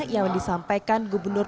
yang disampaikan gubernur